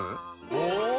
お！